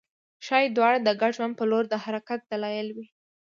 ښايي دواړه د ګډ ژوند په لور د حرکت دلایل وي